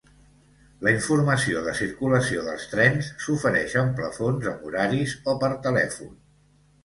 La informació de circulació dels trens s'ofereix en plafons amb horaris o per telèfon.